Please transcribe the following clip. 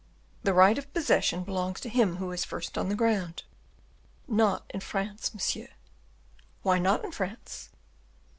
"The right of possession belongs to him who is first on the ground." "Not in France, monsieur." "Why not in France?"